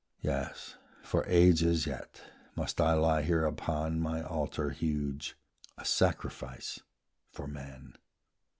Yes, for ages yet Must I lie here upon my altar huge, A sacrifice for man.